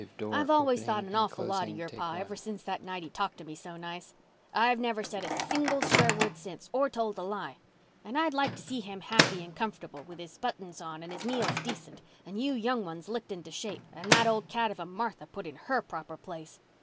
I've always thought an awful lot of your pa ever since that night he talked to me so nice. I've never said a single swear word since, or told a lie. And I'd like to see him happy and comfortable, with his buttons on and his meals decent, and you young ones licked into shape, and that old cat of a Martha put in her proper place.